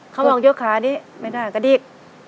เขามองยกขานี้ไม่ได้กระดิก